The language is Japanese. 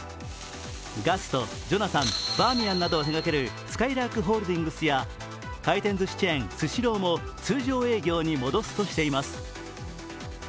ガスト、ジョナサン、バーミヤンなどを手がけるすかいらーくホールディングスや回転寿司チェーン、スシローも通常営業に戻すとしています。